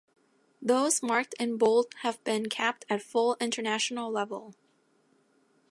Those marked in bold have been capped at full International level.